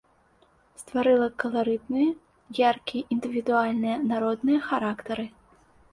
Стварыла каларытныя, яркія індывідуальныя народныя характары.